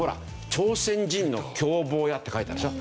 「朝鮮人の狂暴や」って書いてあるでしょ。